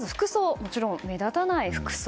もちろん目立たない服装。